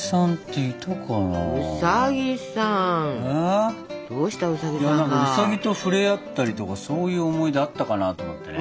いや何かウサギと触れ合ったりとかそういう思い出あったかなと思ってね。